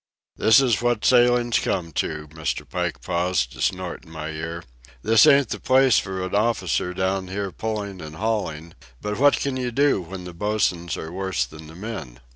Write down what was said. "This is what sailin's come to," Mr. Pike paused to snort in my ear. "This ain't the place for an officer down here pulling and hauling. But what can you do when the bosuns are worse than the men?"